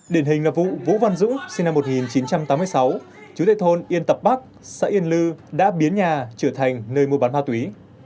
điển hình là vụ vũ văn dũng sinh năm một nghìn chín trăm tám mươi sáu chú tệ thôn yên tập bắc xã yên lư đã biến nhà trở thành nơi mua bán ma túy